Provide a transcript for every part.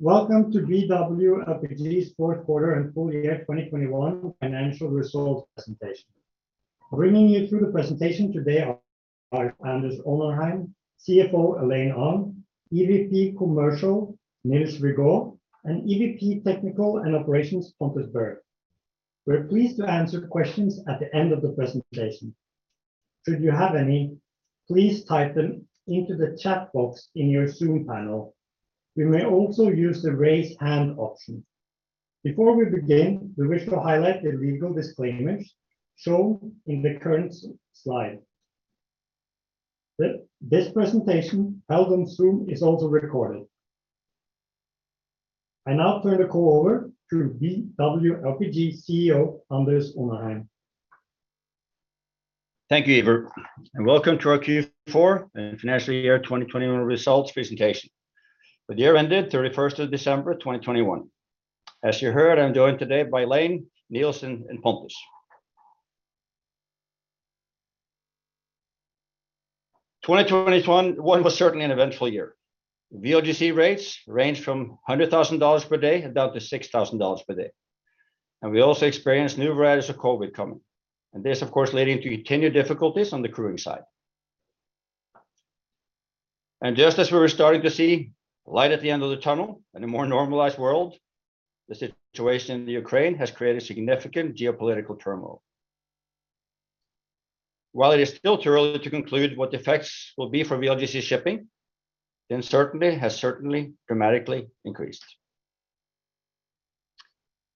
Welcome to BW LPG's fourth quarter and full year 2021 financial results presentation. Bringing you through the presentation today are Anders Onarheim, CFO Elaine Ong, EVP Commercial Niels Rigault, and EVP Technical and Operations Pontus Berg. We're pleased to answer questions at the end of the presentation. Should you have any, please type them into the chat box in your Zoom panel. You may also use the raise hand option. Before we begin, we wish to highlight the legal disclaimers shown in the current slide. This presentation, held on Zoom, is also recorded. I now turn the call over to BW LPG CEO, Anders Onarheim. Thank you, Iver, and welcome to our Q4 and financial year 2021 results presentation for the year ended 31st of December 2021. As you heard, I'm joined today by Elaine, Niels, and Pontus. 2021 was certainly an eventful year. VLGC rates ranged from $100,000 per day down to $6,000 per day. We also experienced new variants of COVID coming, this, of course, leading to continued difficulties on the crew side. Just as we were starting to see light at the end of the tunnel and a more normalized world, the situation in Ukraine has created significant geopolitical turmoil. While it is still too early to conclude what the effects will be for VLGC shipping, the uncertainty has certainly dramatically increased.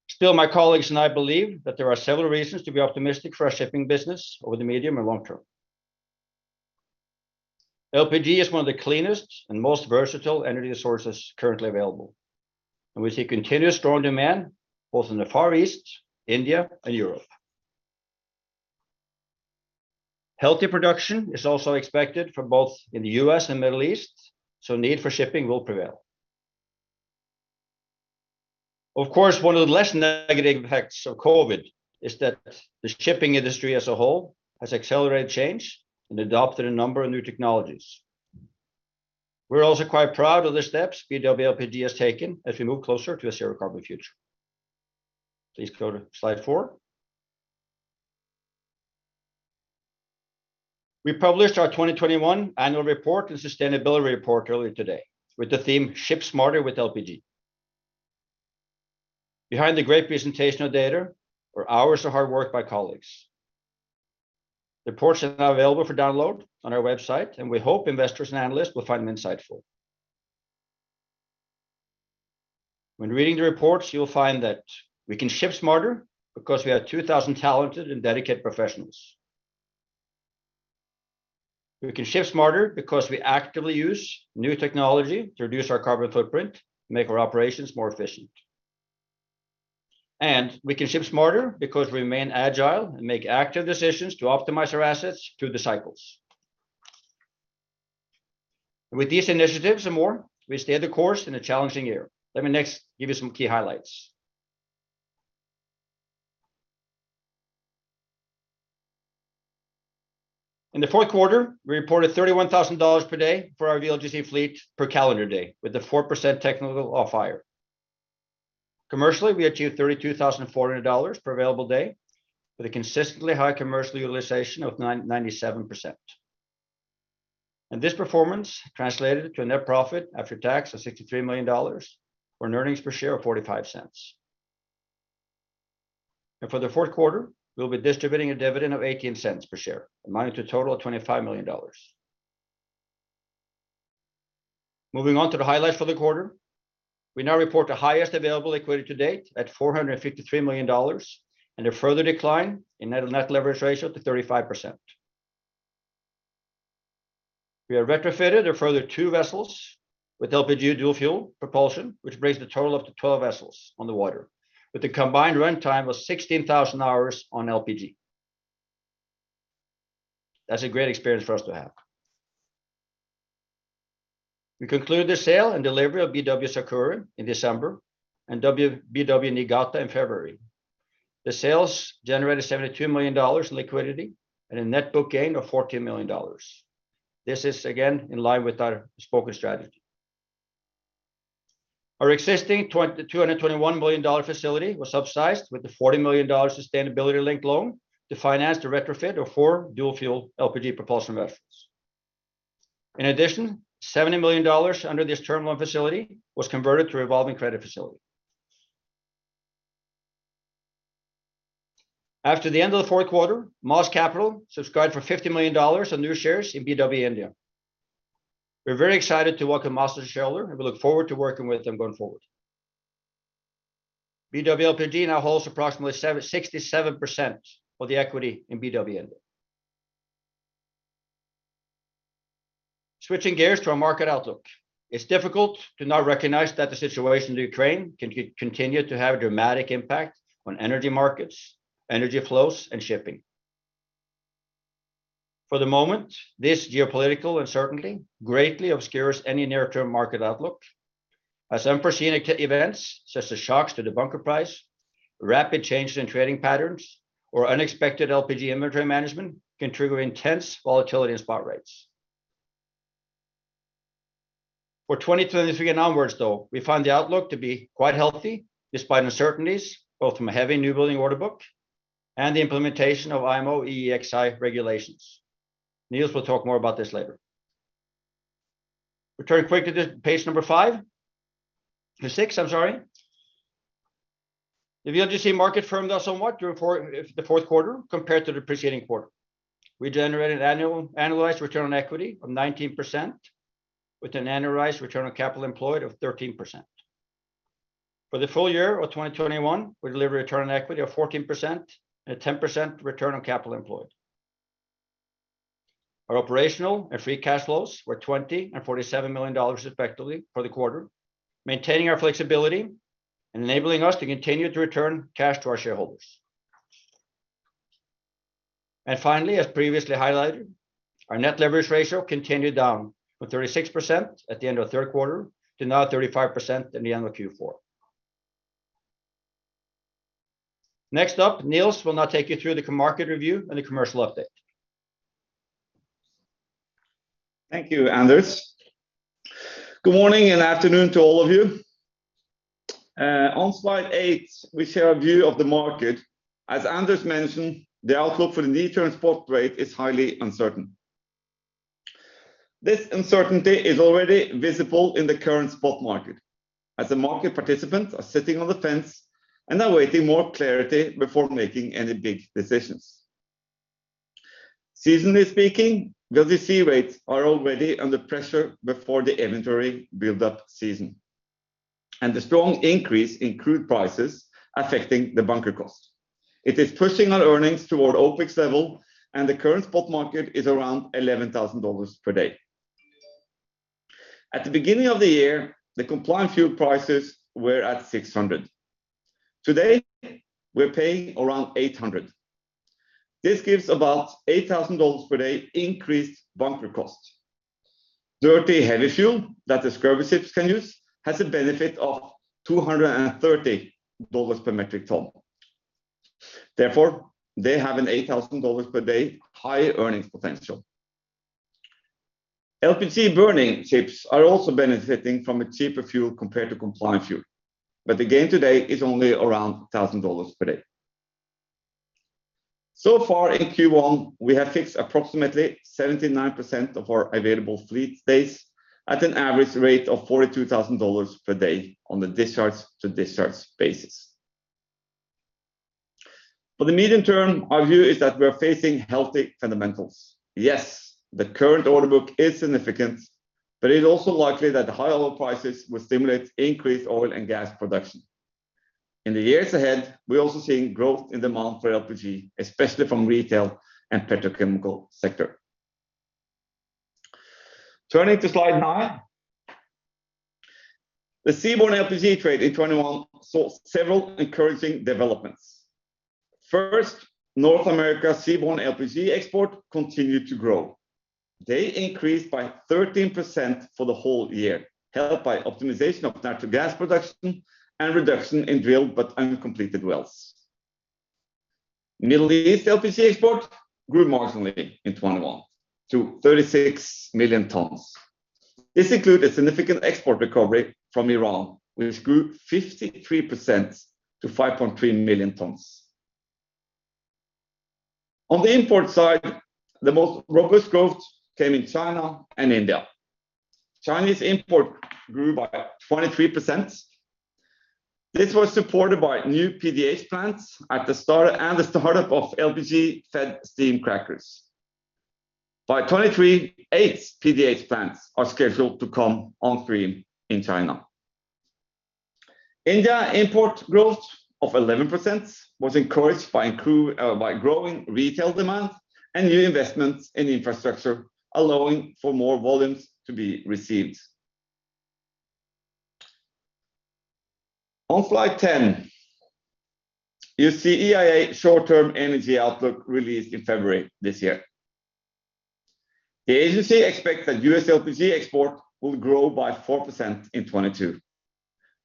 Still, my colleagues and I believe that there are several reasons to be optimistic for our shipping business over the medium and long term. LPG is one of the cleanest and most versatile energy sources currently available, and we see continuous strong demand both in the Far East, India, and Europe. Healthy production is also expected for both in the U.S. and Middle East, so need for shipping will prevail. Of course, one of the less negative effects of COVID is that the shipping industry as a whole has accelerated change and adopted a number of new technologies. We're also quite proud of the steps BW LPG has taken as we move closer to a zero carbon future. Please go to slide four. We published our 2021 annual report and sustainability report earlier today with the theme Ship Smarter with LPG. Behind the great presentation of data were hours of hard work by colleagues. The reports are now available for download on our website, and we hope investors and analysts will find them insightful. When reading the reports, you will find that we can ship smarter because we have 2,000 talented and dedicated professionals. We can ship smarter because we actively use new technology to reduce our carbon footprint, make our operations more efficient. We can ship smarter because we remain agile and make active decisions to optimize our assets through the cycles. With these initiatives and more, we stayed the course in a challenging year. Let me next give you some key highlights. In the fourth quarter, we reported $31,000 per day for our VLGC fleet per calendar day with a 4% technical off-hire. Commercially, we achieved $32,400 per available day with a consistently high commercial utilization of 99.7%. This performance translated to a net profit after tax of $63 million on earnings per share of $0.45. For the fourth quarter, we'll be distributing a dividend of $0.18 per share, amounting to a total of $25 million. Moving on to the highlights for the quarter. We now report the highest available liquidity to date at $453 million, and a further decline in net leverage ratio to 35%. We have retrofitted a further two vessels with LPG dual fuel propulsion, which brings the total up to 12 vessels on the water, with a combined run time of 16,000 hours on LPG. That's a great experience for us to have. We conclude the sale and delivery of BW Sakura in December and BW Niigata in February. The sales generated $72 million in liquidity and a net book gain of $14 million. This is again in line with our spoken strategy. Our existing $221 million facility was upsized with the $40 million sustainability-linked loan to finance the retrofit of four dual fuel LPG propulsion vessels. In addition, $70 million under this term loan facility was converted to a revolving credit facility. After the end of the fourth quarter, Maas Capital subscribed for $50 million on new shares in BW India. We're very excited to welcome Maas as a shareholder, and we look forward to working with them going forward. BW LPG now holds approximately 67% of the equity in BW India. Switching gears to our market outlook. It's difficult to not recognize that the situation in Ukraine can continue to have a dramatic impact on energy markets, energy flows, and shipping. For the moment, this geopolitical uncertainty greatly obscures any near-term market outlook, as unforeseen events, such as shocks to the bunker price. Rapid changes in trading patterns or unexpected LPG inventory management can trigger intense volatility in spot rates. For 2023 and onwards, though, we found the outlook to be quite healthy despite uncertainties, both from a heavy new building order book and the implementation of IMO EEXI regulations. Niels will talk more about this later. Returning quickly to page number five. six, I'm sorry. The VLGC market firmed up somewhat during the fourth quarter compared to the preceding quarter. We generated annualized return on equity of 19%, with an annualized return on capital employed of 13%. For the full year of 2021, we delivered return on equity of 14% and a 10% return on capital employed. Our operational and free cash flows were $20 million and $47 million, respectively, for the quarter, maintaining our flexibility and enabling us to continue to return cash to our shareholders. Finally, as previously highlighted, our net leverage ratio continued down from 36% at the end of the third quarter to now 35% at the end of Q4. Next up, Niels will now take you through the market review and the commercial update. Thank you, Anders. Good morning and afternoon to all of you. On slide eight, we share a view of the market. As Anders mentioned, the outlook for the new transport rate is highly uncertain. This uncertainty is already visible in the current spot market, as the market participants are sitting on the fence and are waiting more clarity before making any big decisions. Seasonally speaking, VLGC rates are already under pressure before the inventory build-up season. The strong increase in crude prices is affecting the bunker cost. It is pushing our earnings toward OpEx level, and the current spot market is around $11,000 per day. At the beginning of the year, the compliant fuel prices were at $600. Today, we're paying around $800. This gives about $8,000 per day increased bunker cost. Dirty heavy fuel that the scrubber ships can use has a benefit of $230 per metric ton. Therefore, they have an $8,000 per day higher earnings potential. LPG-burning ships are also benefiting from a cheaper fuel compared to compliant fuel, but the gain today is only around $1,000 per day. So far in Q1, we have fixed approximately 79% of our available fleet days at an average rate of $42,000 per day on the discharge to discharge basis. For the medium term, our view is that we are facing healthy fundamentals. Yes, the current order book is significant, but it is also likely that the high oil prices will stimulate increased oil and gas production. In the years ahead, we're also seeing growth in demand for LPG, especially from retail and petrochemical sector. Turning to slide nine. The seaborne LPG trade in 2021 saw several encouraging developments. First, North America seaborne LPG export continued to grow. They increased by 13% for the whole year, helped by optimization of natural gas production and reduction in drilled but uncompleted wells. Middle East LPG export grew marginally in 2021 to 36 million tons. This include a significant export recovery from Iran, which grew 53% to 5.3 million tons. On the import side, the most robust growth came in China and India. Chinese import grew by 23%. This was supported by new PDH plants at the start-up of LPG-fed steam crackers. By 2023, eight PDH plants are scheduled to come on stream in China. India import growth of 11% was encouraged by growing retail demand and new investments in infrastructure, allowing for more volumes to be received. On slide 10, you see EIA short-term energy outlook released in February this year. The agency expects that U.S. LPG export will grow by 4% in 2022,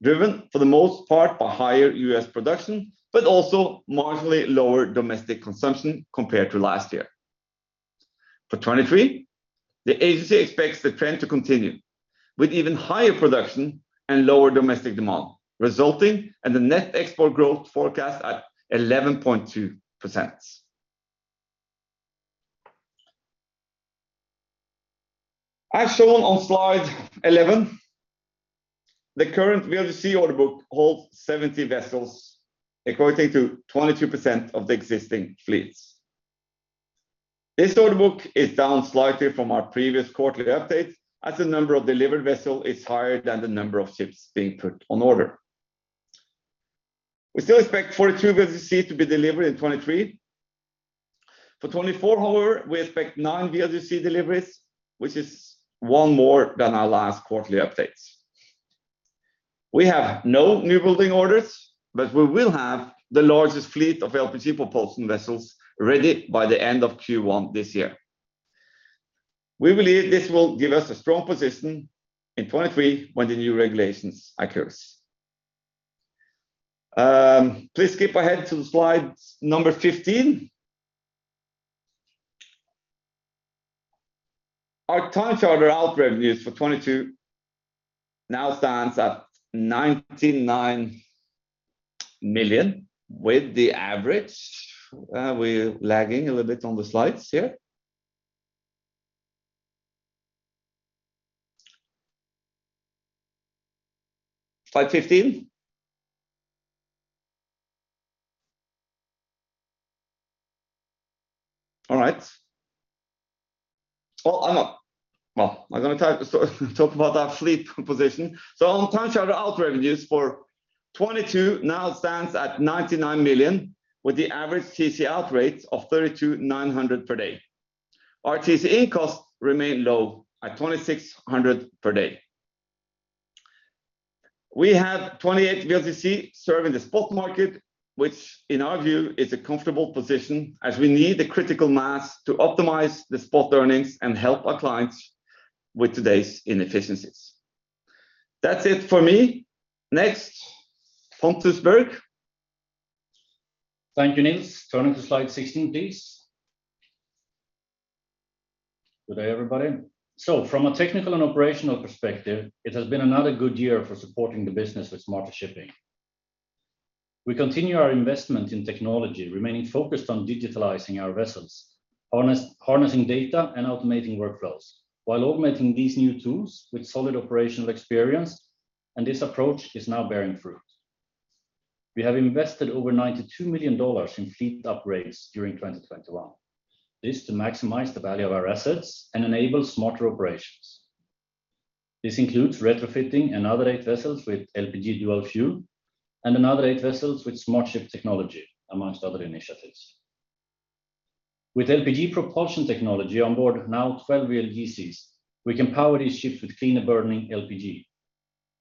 driven for the most part by higher U.S. production, but also marginally lower domestic consumption compared to last year. For 2023, the agency expects the trend to continue with even higher production and lower domestic demand, resulting in the net export growth forecast at 11.2%. As shown on slide 11, the current VLGC order book holds 70 vessels, equating to 22% of the existing fleets. This order book is down slightly from our previous quarterly update, as the number of delivered vessel is higher than the number of ships being put on order. We still expect 42 VLGC to be delivered in 2023. For 2024, however, we expect nine VLGC deliveries, which is one more than our last quarterly updates. We have no new building orders, but we will have the largest fleet of LPG propulsion vessels ready by the end of Q1 this year. We believe this will give us a strong position in 2023 when the new regulations occurs. Please skip ahead to slide 15. We're lagging a little bit on the slides here. Slide 15. I'm gonna talk, sort of, about our fleet position. Our time charter out revenues for 2022 now stands at $99 million, with the average TC out rates of $32,000 per day. Our TC in costs remain low at $26,000 per day. We have 28 VLGCs serving the spot market, which, in our view, is a comfortable position as we need the critical mass to optimize the spot earnings and help our clients with today's inefficiencies. That's it for me. Next, Pontus Berg. Thank you, Niels. Turning to slide 16, please. Good day, everybody. From a technical and operational perspective, it has been another good year for supporting the business with smarter shipping. We continue our investment in technology, remaining focused on digitalizing our vessels, harnessing data and automating workflows, while augmenting these new tools with solid operational experience, and this approach is now bearing fruit. We have invested over $92 million in fleet upgrades during 2021. This to maximize the value of our assets and enable smarter operations. This includes retrofitting another eight vessels with LPG dual fuel and another eight vessels with smart ship technology, among other initiatives. With LPG propulsion technology on board now 12 VLGCs, we can power these ships with cleaner burning LPG.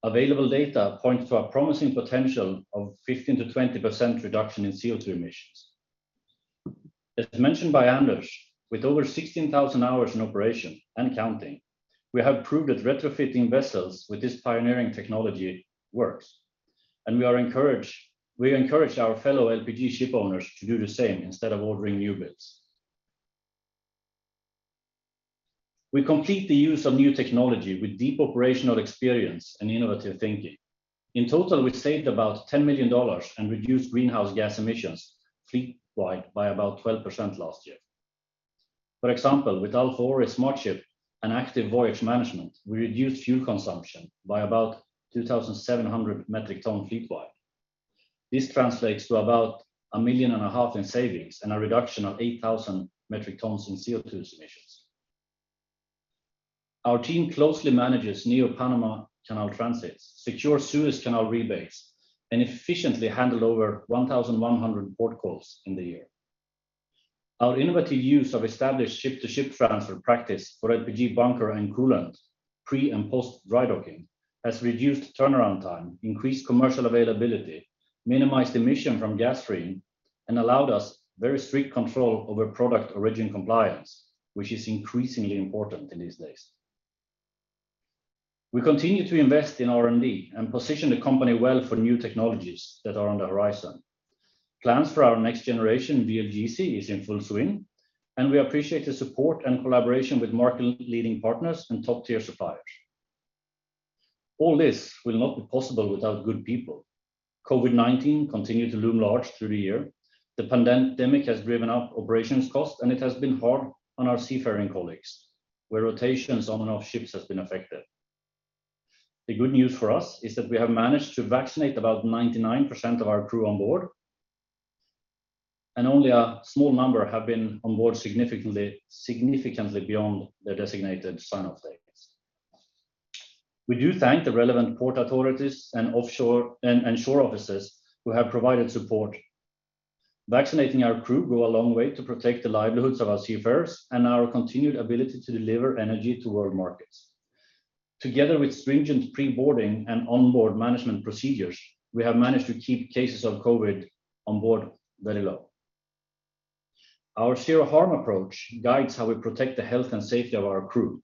Available data points to a promising potential of 15%-20% reduction in CO2 emissions. As mentioned by Anders, with over 16,000 hours in operation and counting, we have proved that retrofitting vessels with this pioneering technology works, and we encourage our fellow LPG ship owners to do the same instead of ordering new builds. We complement the use of new technology with deep operational experience and innovative thinking. In total, we saved about $10 million and reduced greenhouse gas emissions fleet-wide by about 12% last year. For example, with our four smart ships and active voyage management, we reduced fuel consumption by about 2,700 metric tons fleet-wide. This translates to about $1.5 million in savings and a reduction of 8,000 metric tons in CO2 emissions. Our team closely manages New Panama Canal transits, secures Suez Canal rebates, and efficiently handled over 1,100 port calls in the year. Our innovative use of established ship-to-ship transfer practice for LPG bunker and coolant pre- and post-dry docking has reduced turnaround time, increased commercial availability, minimized emission from gas stream, and allowed us very strict control over product origin compliance, which is increasingly important in these days. We continue to invest in R&D and position the company well for new technologies that are on the horizon. Plans for our next generation VLGC is in full swing, and we appreciate the support and collaboration with market-leading partners and top-tier suppliers. All this will not be possible without good people. COVID-19 continued to loom large through the year. The pandemic has driven up operations costs, and it has been hard on our seafaring colleagues, where rotations on and off ships has been affected. The good news for us is that we have managed to vaccinate about 99% of our crew on board, and only a small number have been on board significantly beyond their designated sign-off dates. We do thank the relevant port authorities and offshore and shore offices who have provided support. Vaccinating our crew go a long way to protect the livelihoods of our seafarers and our continued ability to deliver energy to world markets. Together with stringent pre-boarding and onboard management procedures, we have managed to keep cases of COVID on board very low. Our zero harm approach guides how we protect the health and safety of our crew.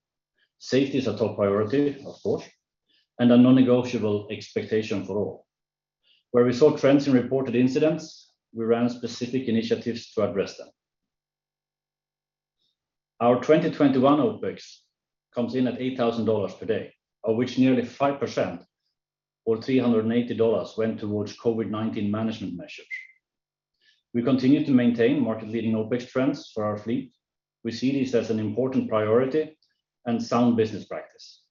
Safety is a top priority, of course, and a non-negotiable expectation for all. Where we saw trends in reported incidents, we ran specific initiatives to address them. Our 2021 OpEx comes in at $8,000 per day, of which nearly 5% or $380 went towards COVID-19 management measures. We continue to maintain market-leading OpEx trends for our fleet. We see this as an important priority and sound business practice.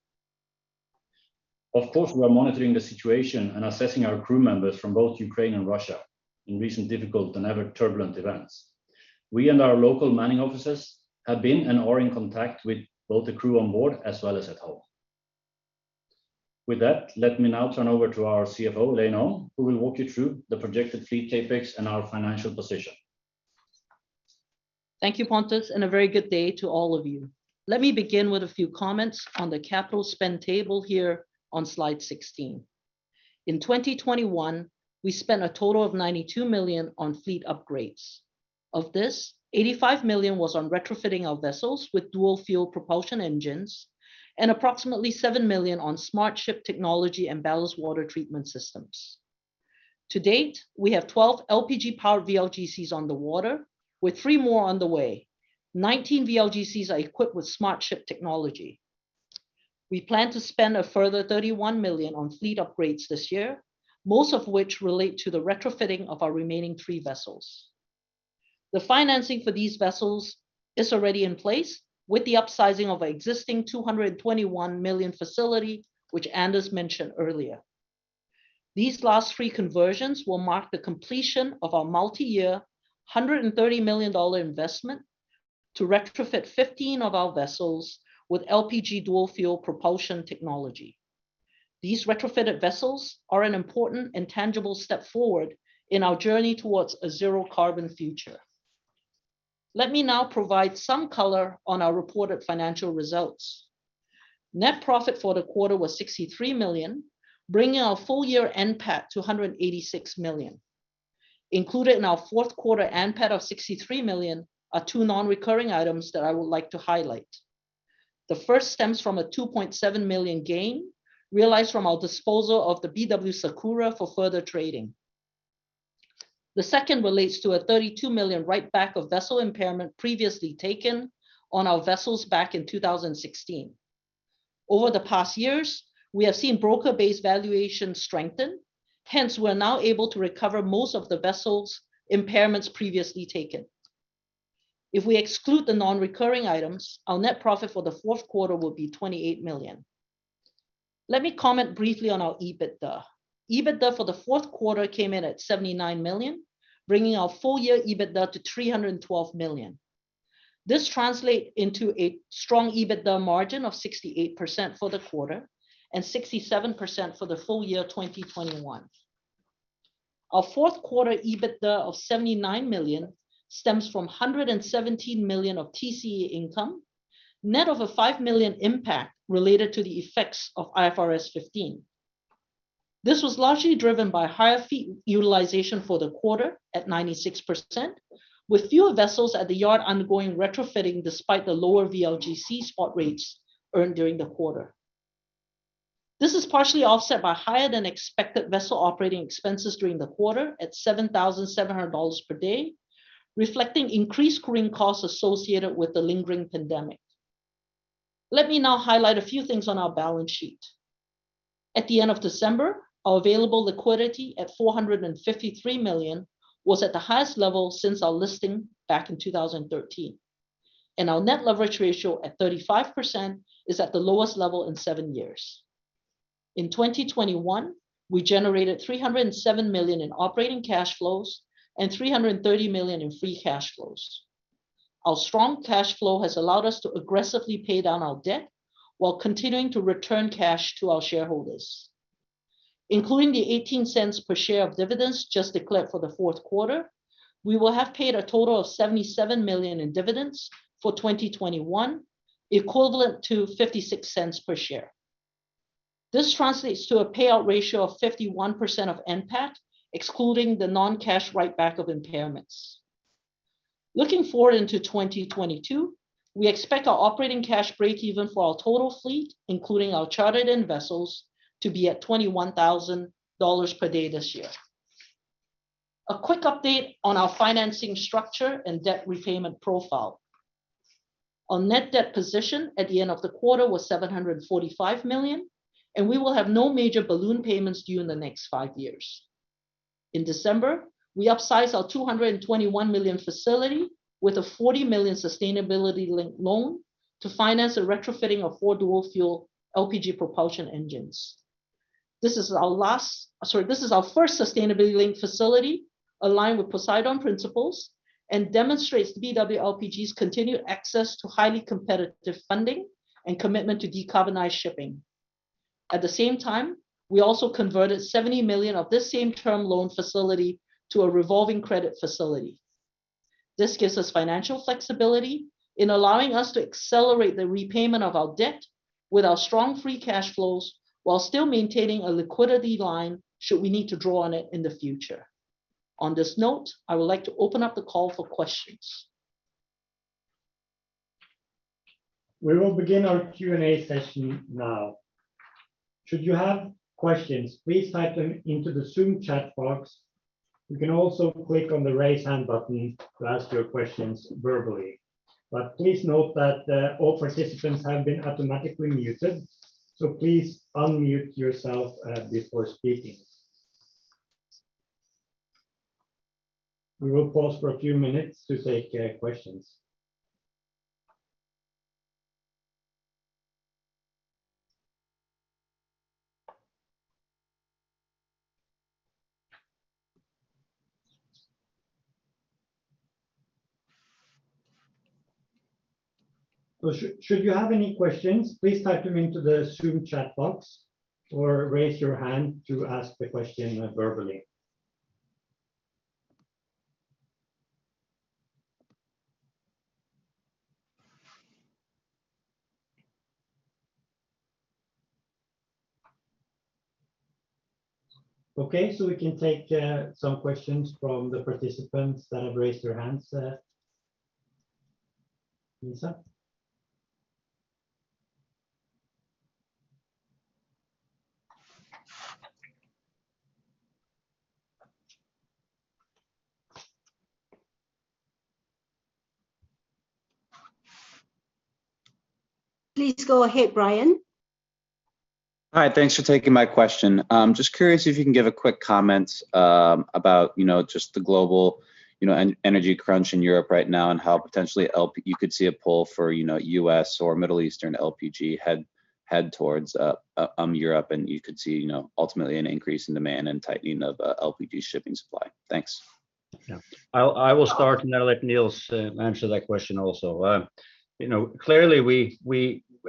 Of course, we are monitoring the situation and assessing our crew members from both Ukraine and Russia in recent difficult and ever-turbulent events. We and our local manning offices have been and are in contact with both the crew on board as well as at home. With that, let me now turn over to our CFO, Elaine Ong, who will walk you through the projected fleet CapEx and our financial position. Thank you, Pontus, and a very good day to all of you. Let me begin with a few comments on the capital spend table here on slide 16. In 2021, we spent a total of $92 million on fleet upgrades. Of this, $85 million was on retrofitting our vessels with dual fuel propulsion engines, and approximately $7 million on smart ship technology and ballast water treatment systems. To date, we have 12 LPG powered VLGCs on the water, with three more on the way. 19 VLGCs are equipped with smart ship technology. We plan to spend a further $31 million on fleet upgrades this year, most of which relate to the retrofitting of our remaining three vessels. The financing for these vessels is already in place with the upsizing of our existing $221 million facility, which Anders mentioned earlier. These last three conversions will mark the completion of our multi-year $130 million investment to retrofit 15 of our vessels with LPG dual fuel propulsion technology. These retrofitted vessels are an important and tangible step forward in our journey towards a zero carbon future. Let me now provide some color on our reported financial results. Net profit for the quarter was $63 million, bringing our full year NPAT to $186 million. Included in our fourth quarter NPAT of $63 million are two non-recurring items that I would like to highlight. The first stems from a $2.7 million gain realized from our disposal of the BW Sakura for further trading. The second relates to a $32 million write back of vessel impairment previously taken on our vessels back in 2016. Over the past years, we have seen broker-based valuation strengthen, hence we're now able to recover most of the vessels' impairments previously taken. If we exclude the non-recurring items, our net profit for the fourth quarter will be $28 million. Let me comment briefly on our EBITDA. EBITDA for the fourth quarter came in at $79 million, bringing our full year EBITDA to $312 million. This translate into a strong EBITDA margin of 68% for the quarter and 67% for the full year 2021. Our fourth quarter EBITDA of $79 million stems from $117 million of TCE income, net of a $5 million impact related to the effects of IFRS 15. This was largely driven by higher fleet utilization for the quarter at 96%, with fewer vessels at the yard undergoing retrofitting despite the lower VLGC spot rates earned during the quarter. This is partially offset by higher than expected vessel operating expenses during the quarter at $7,700 per day, reflecting increased crewing costs associated with the lingering pandemic. Let me now highlight a few things on our balance sheet. At the end of December, our available liquidity at $453 million was at the highest level since our listing back in 2013, and our net leverage ratio at 35% is at the lowest level in seven years. In 2021, we generated $307 million in operating cash flows and $330 million in free cash flows. Our strong cash flow has allowed us to aggressively pay down our debt while continuing to return cash to our shareholders. Including the $0.18 per share of dividends just declared for the fourth quarter, we will have paid a total of $77 million in dividends for 2021, equivalent to $0.56 per share. This translates to a payout ratio of 51% of NPAT, excluding the non-cash write back of impairments. Looking forward into 2022, we expect our operating cash break even for our total fleet, including our chartered-in vessels, to be at $21,000 per day this year. A quick update on our financing structure and debt repayment profile. Our net debt position at the end of the quarter was $745 million, and we will have no major balloon payments due in the next five years. In December, we upsized our $221 million facility with a $40 million sustainability-linked loan to finance a retrofitting of four dual fuel LPG propulsion engines. This is our first sustainability linked facility aligned with Poseidon Principles and demonstrates BW LPG's continued access to highly competitive funding and commitment to decarbonize shipping. At the same time, we also converted $70 million of this same term loan facility to a revolving credit facility. This gives us financial flexibility in allowing us to accelerate the repayment of our debt with our strong free cash flows while still maintaining a liquidity line should we need to draw on it in the future. On this note, I would like to open up the call for questions. We will begin our Q&A session now. Should you have questions, please type them into the Zoom chat box. You can also click on the Raise Hand button to ask your questions verbally. Please note that all participants have been automatically muted, so please unmute yourself before speaking. We will pause for a few minutes to take questions. Should you have any questions, please type them into the Zoom chat box or raise your hand to ask the question verbally. Okay. We can take some questions from the participants that have raised their hands, Lisa? Please go ahead, Brian. Hi. Thanks for taking my question. Just curious if you can give a quick comment about, you know, just the global, you know, energy crunch in Europe right now and how potentially LPG. You could see a pull for, you know, U.S. or Middle Eastern LPG head towards Europe, and you could see, you know, ultimately an increase in demand and tightening of LPG shipping supply. Thanks. Yeah. I will start and then I'll let Niels answer that question also. You know, clearly we,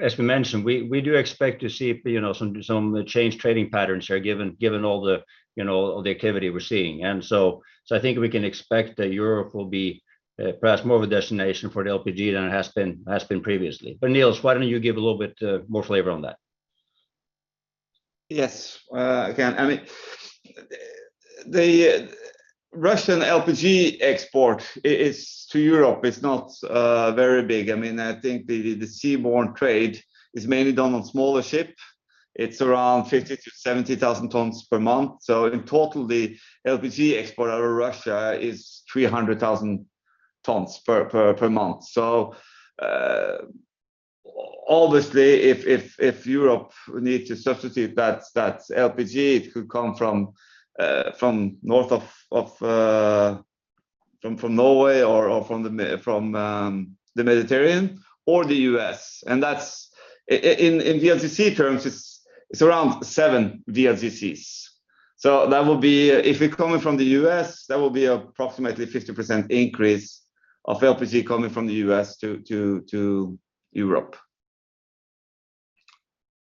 as we mentioned, we do expect to see you know, some changed trading patterns here, given all the you know, all the activity we're seeing. I think we can expect that Europe will be perhaps more of a destination for the LPG than it has been previously. Niels, why don't you give a little bit more flavor on that? Yes. Again, I mean, the Russian LPG export is to Europe, it's not very big. I mean, I think the seaborne trade is mainly done on smaller ships. It's around 50-70,000 tons per month. In total, the LPG export out of Russia is 300,000 tons per month. Obviously, if Europe needs to substitute that LPG, it could come from north of Norway or from the Mediterranean or the U.S. That's in VLGC terms, it's around seven VLGCs. That will be, if it's coming from the U.S., that will be approximately 50% increase of LPG coming from the U.S. to Europe.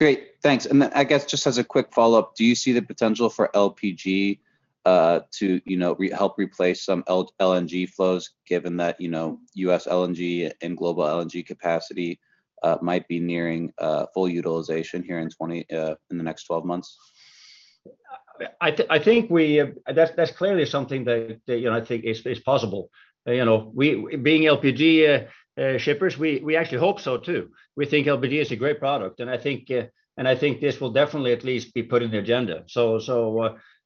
Great. Thanks. I guess just as a quick follow-up, do you see the potential for LPG to, you know, help replace some LNG flows given that, you know, U.S. LNG and global LNG capacity might be nearing full utilization here in 2020 in the next 12 months? I think that's clearly something that, you know, I think is possible. You know, being LPG shippers, we actually hope so too. We think LPG is a great product, and I think this will definitely at least be put in the agenda.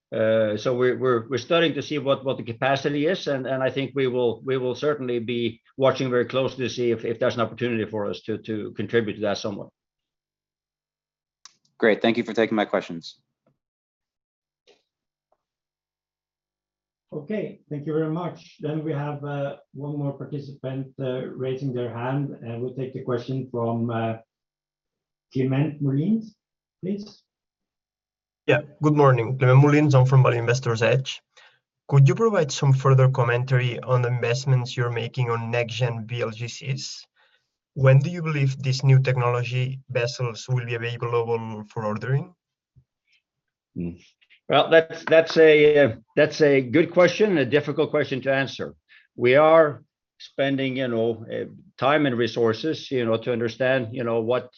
We're starting to see what the capacity is, and I think we will certainly be watching very closely to see if there's an opportunity for us to contribute to that somewhat. Great. Thank you for taking my questions. Okay. Thank you very much. We have one more participant raising their hand. We'll take the question from Clement Mullins, please. Yeah. Good morning, Clement Mullins. I'm from Value Investor's Edge. Could you provide some further commentary on investments you're making on next gen VLGCs? When do you believe these new technology vessels will be available for ordering? Well, that's a good question, a difficult question to answer. We are spending you know time and resources you know to understand you know what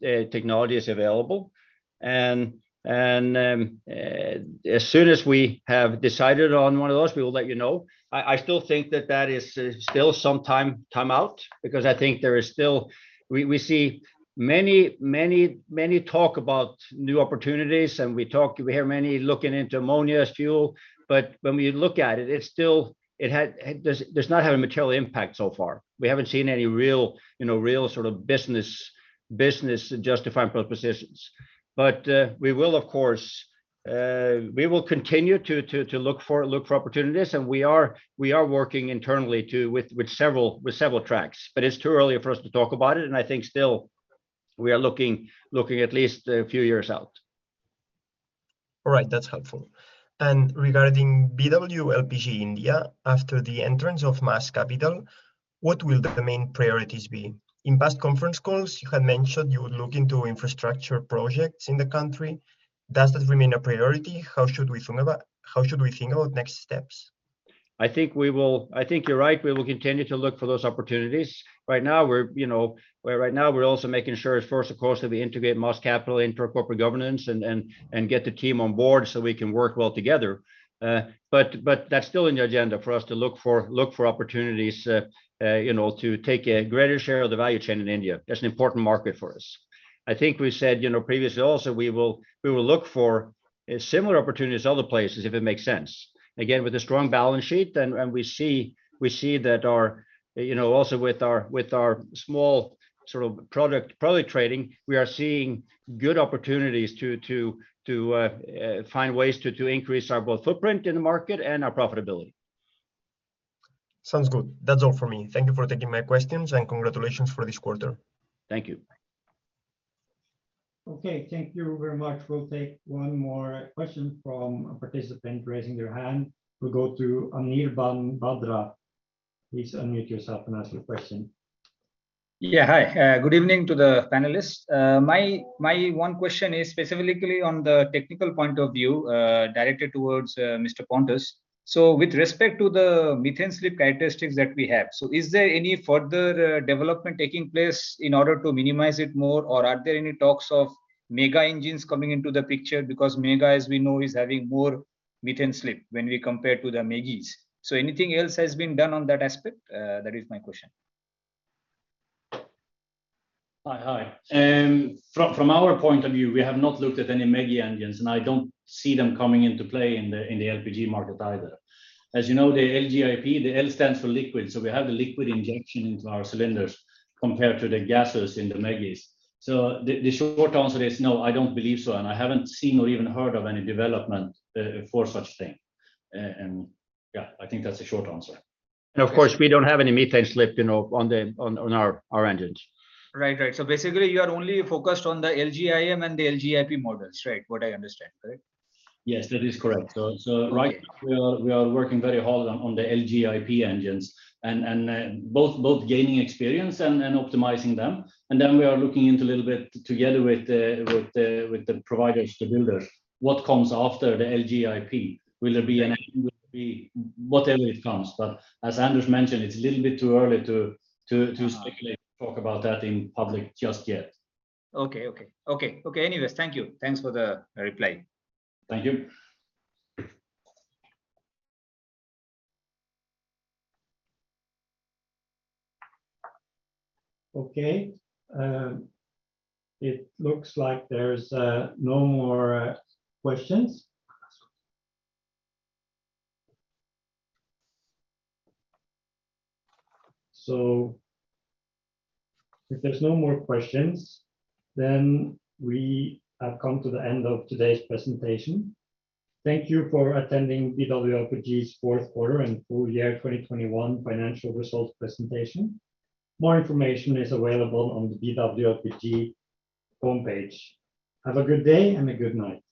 technology is available. As soon as we have decided on one of those, we will let you know. I still think that is still some time out because I think there is still we see many talk about new opportunities, and we hear many looking into ammonia as fuel. But when we look at it's still does not have a material impact so far. We haven't seen any real you know real sort of business-justifying propositions. We will of course, we will continue to look for opportunities, and we are working internally with several tracks. It's too early for us to talk about it, and I think still we are looking at least a few years out. All right. That's helpful. Regarding BW LPG India, after the entrance of Maas Capital, what will the main priorities be? In past conference calls, you had mentioned you would look into infrastructure projects in the country. Does that remain a priority? How should we think about next steps? I think you're right. We will continue to look for those opportunities. Right now, we're also making sure first, of course, that we integrate Maas Capital into our corporate governance and get the team on board so we can work well together. But that's still in the agenda for us to look for opportunities, you know, to take a greater share of the value chain in India. That's an important market for us. I think we said, you know, previously also, we will look for similar opportunities other places, if it makes sense. Again, with a strong balance sheet and we see that our, you know, also with our small sort of product trading, we are seeing good opportunities to find ways to increase our both footprint in the market and our profitability. Sounds good. That's all for me. Thank you for taking my questions, and congratulations for this quarter. Thank you. Okay. Thank you very much. We'll take one more question from a participant raising their hand. We'll go to Aneeb Bandara. Please unmute yourself and ask your question. Yeah. Hi. Good evening to the panelists. My one question is specifically on the technical point of view, directed towards Mr. Pontus. With respect to the methane slip characteristics that we have, is there any further development taking place in order to minimize it more, or are there any talks of ME-GA engines coming into the picture because ME-GA, as we know, is having more methane slip when we compare to the ME-GI. Anything else has been done on that aspect? That is my question. Hi. From our point of view, we have not looked at any ME-GI engines, and I don't see them coming into play in the LPG market either. As you know, the LGIP, the L stands for liquid, so we have the liquid injection into our cylinders compared to the gases in the ME-GI. The short answer is no, I don't believe so, and I haven't seen or even heard of any development for such thing. And yeah, I think that's the short answer. Of course, we don't have any methane slip, you know, on our engines. Right. Basically you are only focused on the LGIM and the LGIP models. Right? As I understand. Correct? Yes, that is correct. Right. Okay. Now we are working very hard on the LGIP engines and both gaining experience and optimizing them. Then we are looking into a little bit together with the providers, the builders, what comes after the LGIP. Whatever it comes. As Anders mentioned, it's a little bit too early to speculate. Talk about that in public just yet. Okay. Anyways, thank you. Thanks for the reply. Thank you. Okay. It looks like there's no more questions. If there's no more questions, then we have come to the end of today's presentation. Thank you for attending BW LPG's fourth quarter and full year 2021 financial results presentation. More information is available on the BW LPG homepage. Have a good day and a good night.